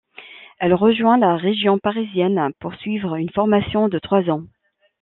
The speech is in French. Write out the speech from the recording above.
Elle rejoint la région parisienne pour suivre une formation de trois ans.